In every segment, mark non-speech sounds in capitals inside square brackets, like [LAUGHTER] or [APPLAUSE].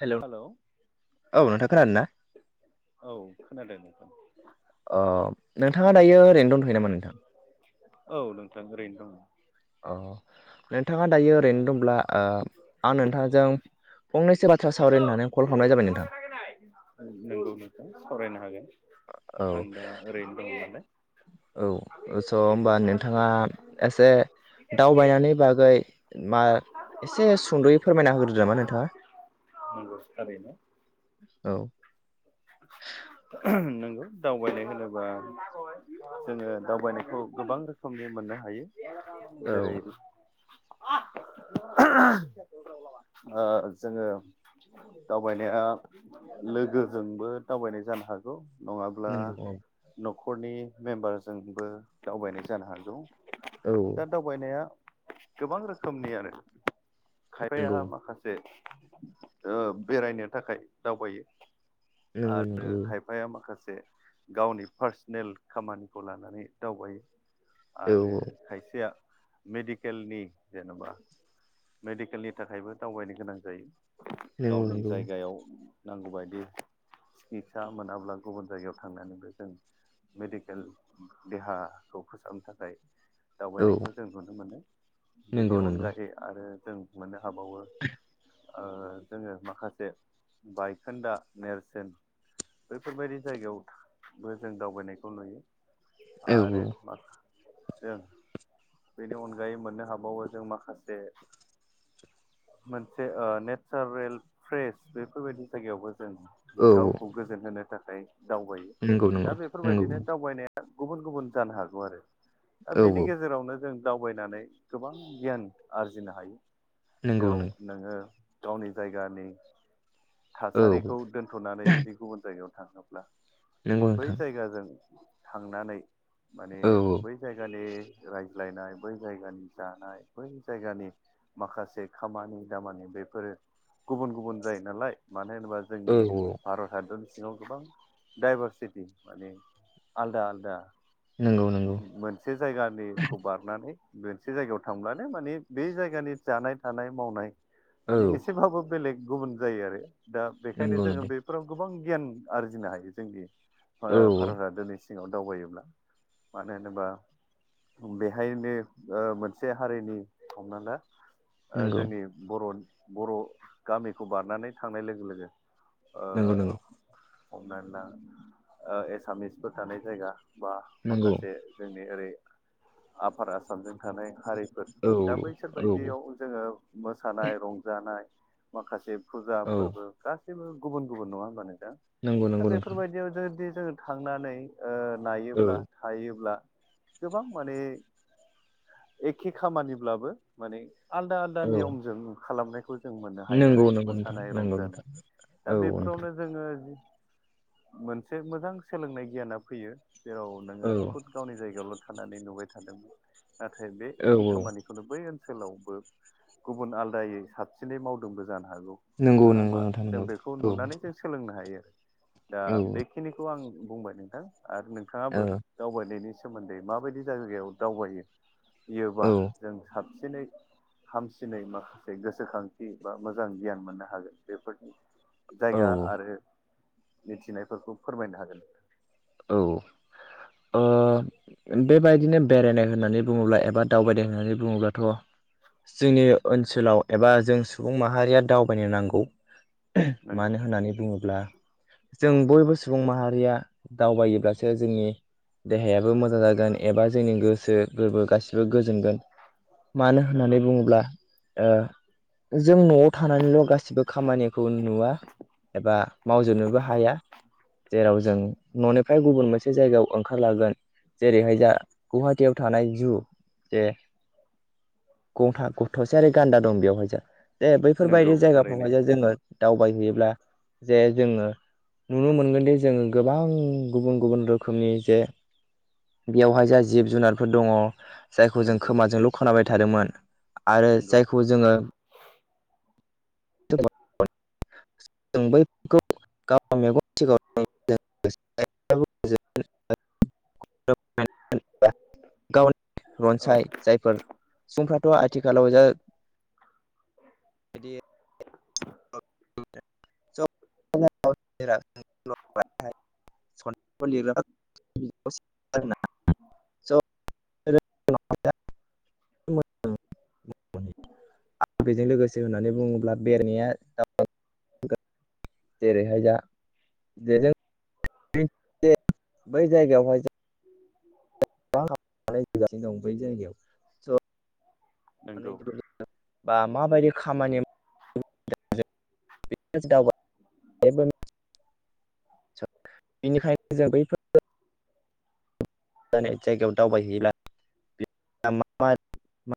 Hello hello औ नोंथां खोना औ खोनादों अ नोंथाङा दायो ओरैनो दंथ'यो नामा नोंथां औ नोंथां ओरैनो दङ। अ नोंथाङा दायो ओरैनो दंब्ला ओ आं नोंथांजों फंनैसो बाथ्रा सावरायनो होननानै कल खालामनाय जाबाय नोंथां नोंगौ नोंथां फरायनो हागोन औ आं दा रैनो दं नालाय औ स' होमबा नोंथांङा एसे दावबायनायनि बागै मा एसे सुंद'यै फोरमायना होग्रोदो नामा नोंथांङा? नंगौ थारैनो औ। नंगौ दावबायनाय होनोबा जोङो दावबायनायखौ गोबां रोखोम नि मोननो हायो औ जेरै ओ जोङो दावबायनाया लोगो। जोंबो दावबायनाय जानो हागौ नङाब्ला नंगौ औ न'खरनि मेम्बारजोंबो दावबायनाय जानो हागौ औ दा दावबायनाया गोबां रोखोमनि आरो खायफाया नंगौ माखासे ओ बेरायनो थाखाय दावबायो। नंगौ आरो नंगौ खायफाया माखासे गावनि पार्सनेल खामानिखौ लानानै दावबायो। औ आरो औ खायसेया मेडिकेलनि जेनेबा मेडिकेलनि थाखायबो दावबायनो गोनां जायो। नंगौ गावनि नंगौ जायगायाव नांगौबायायदि सिकित्सा मोनाब्ला गुबुन जायगायाव थांनानैबो जों मेडिकेल देहाखौ फोसाबनो थाखाय औ दावबायनायखौ जों नुनो मोनो बेनि नंगौ नंगौ अनगायै आरो जों मोनो। हाबावो ओ जोङो माखासे बायखोन्दा नेरसोन बैफोरबायदि जायगायावबो जों दावबायनायखौ नुयो। औ आरो मा? जों बेनि अनगायै मोननो हाबावो जों माखासे मोनसे ओ नेचारेल फ्रेस बेफोरबायदि जायगायावबो जों औ गावखौ गोजोन होनो थाखाय दावबायो नंगौ दा नंगौ बेफोरबायदिनो नंगौ दावबायनाया गुबुन गुबुन जानो हागौ आरो दा औ बेनि औ गेजेरावनो जों दावबायनानै गोबां गियान आरजिनो हायो नंगौ जेराव नंगौ नोङो गावनि जायगानि औ थासारिखौ दोन्थ'नानै जुदि गुबुन जायगायाव थाङोब्ला नंगौ बै नोंथां जायगाजों थांनानै माने औ बै जायगानि राय ज्लायनाय बै जायगानि जानाय बै जायगानि माखासे खामानि दामानि बेफोरो गुबुन गुबुन जायो नालाय। मानो होनोबा जोंनि औ औ भारत हादर सिङाव गोबां डाइभारसिटि माने आलदा आलदा। नंगौ नंगौ मोनसे जायगानिखौ बारनानै मोनसे जायगायाव थांब्लानो मानि बे जायगानि जानाय थानाय मावनाय। औ माने एसेबाबो बेलेग गुबुन जायो आरो दा बेखायनो नंगौ जोङो नंगौ बेफोराव गोबां गियान आरजिनो हायो जोंनि ओ औ भारतहादरनिसि। सिङाव दावबायोब्ला मानो होनोबा। बेहायनो ओ मोनसे हारिनि हमना ला ओ नंगौ जोंनि बर' बर' गामिखौ बारनानै थांनाय लोगो लोगो। नोंगौ नोंगौ। हमनानै ला एसामिसफोर थानाय जायगा बा नंगौ माखासे जों ओरोय आफार आसामजों थानाय हारि औ दा बैसोर औ बदियाव जोङो मोसानाय रंजानाय माखासे फुजा औ फोरबो गासैबो गुबुन गुबुन नङा होनबानो जों नंगौ दा नंगौ नोंथां बेफोरबायदियाव जों जोङो थांनानै औ नायोब्ला थायोब्ला गोबां माने एखे खामानिब्लाबो माने आलदा आलदा औ नियमजों खालामनायखौ जों मोननो हायो नंगौ आरो नंगौ नोंथां मोसानाय रं नंगौ नोंथां दा औ नोंथां बेफोरावनो जोङो जि मोनसे मोजां सोलोंनाय गियाना फैयो जेराव नोङो औ खुद गावनि जायगायावल' थानानै नुबाय थादोंमोन नाथाय बे एखे औ खामानिखौनो बै ओनोल ओन सोलावबो गुबुन आलादायै साबसिनै मावदोंबो जानो हागौ नंगौ नङा नंगौ होमबा नोंथां जों नंगौ बेखौ औ नुनानै जों सोलोंनो हायो आरो दा औ बेखिनिखौ आं बुंबाय नोंथां आरो औ नोंथाङाबो दावबायनायनि सोमोन्दै माबायदि जायगायाव दावबायोयोबा औ जों साब हाबसिनै हामसिनै माखासे गोसोखांथि बा मोजां गियान मोननो हागोन बेफोरनि औ जायगा आरो मिथिनायफोरखौ फोरमायनो हागोन? औ बेबायदिनो बेरायनाय होननानै बुङोब्ला एबा दावबायदों होननानै बुङोब्लाथ' जोंनि ओनसोलाव एबा जों सुबुं माहारिया दावबायनो नांगौ नंगौ मानो होननानै बुङोब्ला जों बयबो सुबुं माहारिया दावबायोब्लासो जोंनि देहायाबो मोजां जागोन एबा जोंनि गोसो गोरबो गासिबो गोजोनगोन मानो नंगौ होननानै बुङोब्ला जों न'आव थानानैल' गासिबो खामानिखौ नुवा एबा मावजोबनोबो हाया जेराव जों न'निफ्राय गुबुन मोनसे जायगायाव ओंखारलागोन जेरैहाय जा गुवाहाटिीयाव थानाय जु दे। गंथा गथ'से आरोि गान्दा दं बेयावहाय ज दे नंगौ बैफोरबायदि थारैनो जायगाफ्रावहाय ज जोङो दावबायहयोब्ला जोङो नुनो मोनगोन जों गोबां गुबुन गुबुन रोखोमनि जे बेयावहाय जाहा जिब जुनारफोर दङ। जायखौ जों नंगौ खोमाजोंल' खोनाबाय थादोंमोन आरो नंगौ जायखौ जोङो [UNINTELLIGIBLE] जों बैफोरखौ गाव मेगन सिगाव [UNINTELLIGIBLE] गावनि औ रनसाय जायफोर सुबुंफ थ' आथिखालाव जादि [UNINTELLIGIBLE] [UNINTELLIGIBLE] [UNINTELLIGIBLE] आ बेजों लोगोसे होननानै बुङोब्ला बेरनाया जेरैहाय दा बेजों बै जायगायावहाय जों बानायगासिनो दं बै जायगायाव स' नंगौ बा माबायदि खामानि माव [UNINTELLIGIBLE] बेनिखायनो जों बैफोर [UNINTELLIGIBLE] [UNINTELLIGIBLE] [UNINTELLIGIBLE]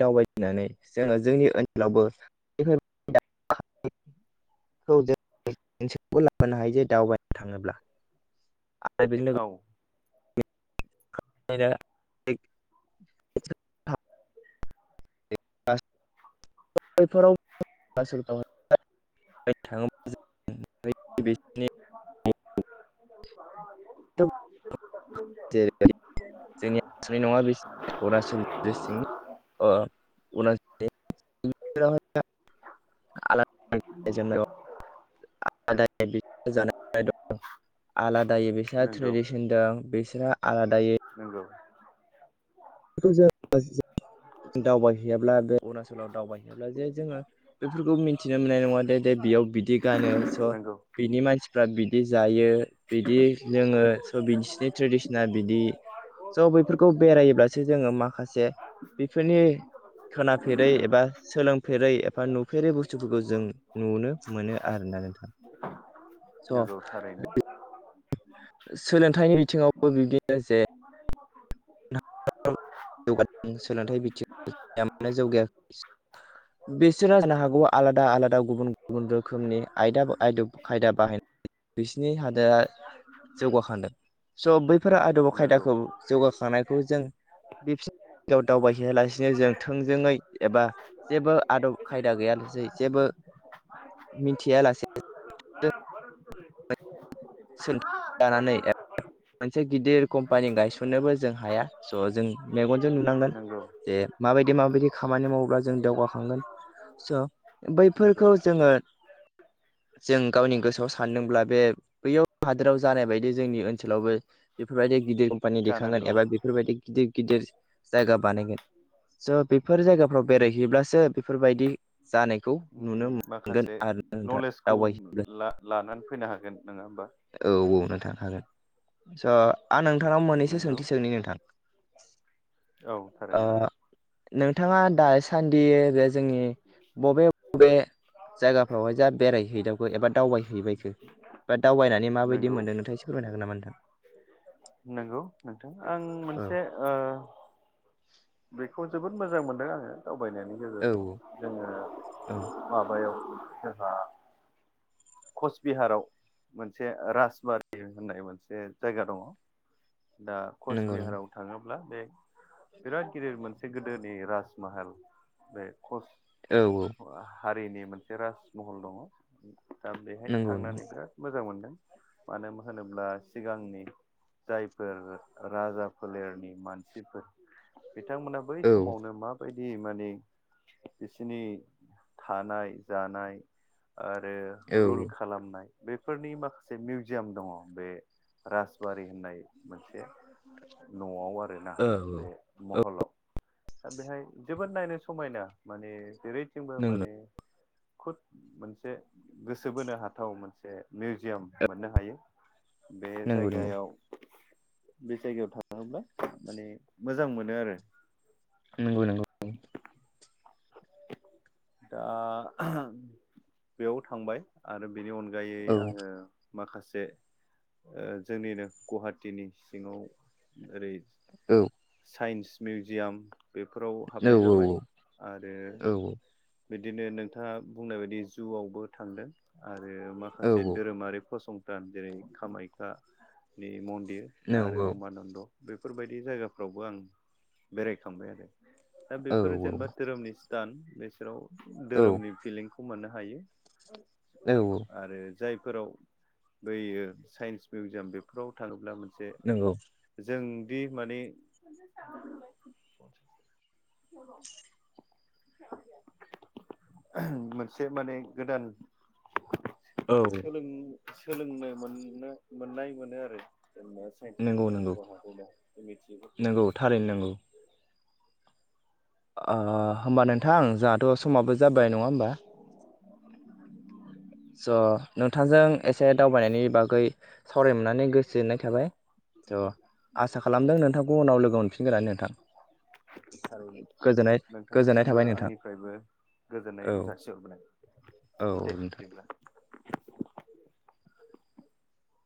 दावबायनानै जोङो जोंनि ओनोलाव [UNINTELLIGIBLE] होनो हायो जे दावबायनो थाङोब्ला आरो बेजों औ [UNINTELLIGIBLE] फोराव [UNINTELLIGIBLE] [UNINTELLIGIBLE] जेरै [INAUDIBLE] [UNINTELLIGIBLE] [UNINTELLIGIBLE] [UNINTELLIGIBLE] आलादायै बेसा नंगौ ट्रेडिसन दं बिसोरहा आलादायै औ। [UNINTELLIGIBLE] दावबायहैयाब्ला बे अरुणाचलाव दावबायहैयाब्ला जे जोङो बेफोरखौ मिन्थिनो मोननाय नङा दे-दे बेयाव बिदि गानो स' नंगौ बिनि मानसिफ्रा बिदि जायो। बिदि लोङो स' बिसिनि ट्रेडिसना बिदि स' बैफोरखौ बेरायोब्ला सो जोङो माखासे बेफोरनि। खोनाफेरै एबा सोलोंफेरै एबा नुफेरै बुस्थुफोरखौ जों नुनो मोनो आरो नंगौ थारैनो। सोलोंथाइनि बिथिङावबो बिब्दिनो जे [UNINTELLIGIBLE] बिसोरो जानो हागौ आलादा आलादा गुबुन-गुबुन रोखोमनि आयदा आदब खायदा बाहाय बिसिनि हादोआ जौगाखांदों स' बैफोरा आदबाव नंगौ खायदाखौ जौगाखा खौ जों बि दाव-दावबायहैयालासिनो जों थोंजोङै एबा जेबो आदब खायदा गैयालासेै जेबो मिथियालासे। जों [UNINTELLIGIBLE] जानानै मोनसे गिदिर कम्पानि गायसननोबो जों हाया स' जों मेगनजों नु नांगोन नंगौ जे माबायदि माबायदि खामानि मावोब्ला जों दावगाखांगोन। स' नंगौ बैफोरखौ जोङो जों गावनि गोसोआव सानदोंब्ला बे बैयाव हादोराव जानाय बायदि जोंनि ओनसोलावबो बेफोरबायदि गिदिर कम्पानि दैेखांगोन जानांगौ एबा बेफोरबायदि गिदिर गिदिर जायगा बानायगोन स' बेफोर जायगाफ्राव बेरायहैब्लासो बेफोरबायदि जानायखौ नुनो मोनगोन माखासे आरो नोंथां नलेजखौ दावबायहैब्ला ला-लानानै फैनो हागोन। नङा होमबा? औ-औ नोंथां हागोन स' आं नोंथांनाव मोननैसो नंगौ सोंथि सोंनि नोंथां? औ ओ थारैनो। नोंथाङा दासान्दि बे जोंनि बबे-बबे जायगाफ्रावहाय जा बेरायहैदावखो एबा दावबायहैबायखो बा दावबायनानै माबायदि नंगौ मोनदों नोंथां एसे फोरमायनो हागोन नामा नोंथां? नंगौ नोंथां आं औ मोनसे ओ बेखौ जोबोद मोजां मोनदों आङो दा बायनायनि औ गेजेरजों जोङो औ माबायाव जोंहा कच बिहाराव मोनसे राजबारि होननाय मोनसे जायगा दङ। दा कच नंगौ नंगौ बिहाराव थाङो ब्ला बे बिराद गिदिर मोनसे गोदोनि राजमाहाल बे कस औ औ हारिनि मोनसे राजमहल दङ। दा बेहाय नंगौ नंगौ थांनानै बिराद मोजां मोनदों मानो होनोब्ला सिगांनि। जायफोर राजा फोलेरनि मानसिफोर। बिथांमोना बै औ समावनो माबाय दि माने बिसिनि थानाय जानाय आरो औ रुल औ खालामनाय बेफोरनि माखासे मिउजियाम दङ बे राजबारि होननाय मोनसे न'आव आरोना बे महलाव। दा बेहाय जोबोद नायनो समायना माने जेरैथिंबो नंगौ माने खुद मोनसे। गोसो बोनो हाथाव मोनसे मिउजियाम मोननो हायो। बे नंगौ नंगौ जायगायाव। बे जायगायाव थाङोब्ला माने मोजां मोनो आरो। नंगौ नंगौ। दा बेयाव थांबाय आरो बेनि अनगायै औ आङो माखासे ओ जोंनिनो गुवाहाटिनि सिङाव ओरै औ। साइन्स मिउजियाम बेफोराव औ हाबनाय औ जाबाय आ औ औ। बिदिनो नोंथाङा बुंनाय बायदि जुआवबो थांदों आ आरो औ माखासे धोरोमारि फसंथान जेरै कामाख्यानि मन्दिर आरो नंगौ उमानन्द बेफोरबायदि जायगाफ्रावबो आं बेरायखांबाय आरो। दा औ बेफोरो जेनेबा धोरोमनि स्थान बिसोराव औ धोरोमनि फिलिं खौ मोननो हायो औ आरो जायफोराव बैयो साइन्स मिउजियाम बेफोराव थाङोब्ला मोन से नंगौ जोंदि माने [INAUDIBLE] मोनसे माने गोदान औ [INAUDIBLE] सोलों सोलोंनो मोननो मोननाय मोनो आरो। जोंनो साइन्स नंगौ नंगौ मिउजियामफोराव हाबोबा मिथियिफोरखौ नंगौ मिथिनो थारैनो मोनो। नंगौ ओ आं होमबा नोंथां जोंहाथ' समाबो जाबाय नङा होमबा? स' नोंथांजों एसे दावबायनायनि बागै सावरायनो मोननानै गोसो गोजोननाय थाबाय। थ' नंगौ आसा खालामदों थारैनो नोंथांखौ उनाव लोगो मोनफिनगोन नोंथां। थारैनो गोजोननाय गोजोननाय नोंथांसिमबो थाबाय नोंथां आंनिफ्रायबो। गोजोननाय औ जासिहरबोन दे औ बिदिब्ला। [INAUDIBLE]